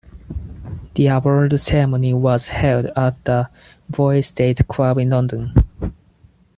The award ceremony was held at the Boisdale Club in London.